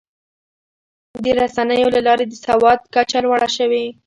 د رسنیو له لارې د سواد کچه لوړه شوې.